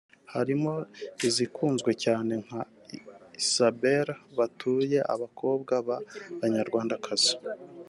harimo izikunzwe cyane nka Isabella(batuye abakobwa ba banyarwandakazi)